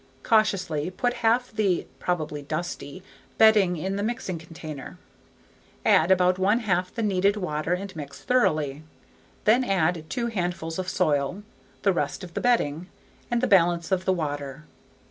Cautiously put half the (probably dusty) bedding in the mixing container. Add about one half the needed water and mix thoroughly. Then add two handfuls of soil, the rest of the bedding, and the balance of the water.